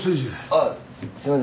あっすいません